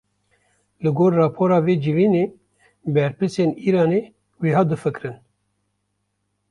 Li gor rapora vê civînê, berpirsên Îranê wiha difikirin